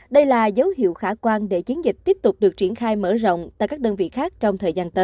đây là dấu hiệu khả quan để chiến dịch tiếp tục được triển khai mở rộng tại các đơn vị khác trong thời gian tới